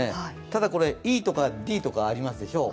ただ、これ、ＣとかＤとかありますでしょう。